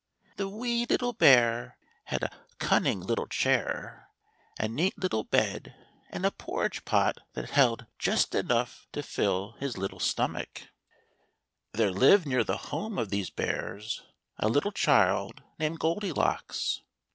The wee little bear had a cunning little chair, a neat little bed, and a porridge pot that held just enough to fill his little stomach. 10G THE THREE BEARS. There lived near the home of these bears a little child named Goldilocks.